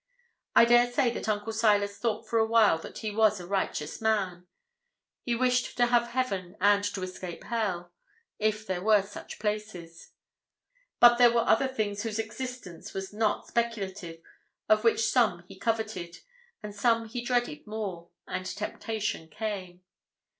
I dare say that Uncle Silas thought for a while that he was a righteous man. He wished to have heaven and to escape hell, if there were such places. But there were other things whose existence was not speculative, of which some he coveted, and some he dreaded more, and temptation came.